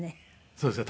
そうですね。